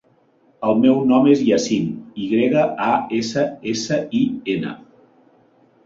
El meu nom és Yassin: i grega, a, essa, essa, i, ena.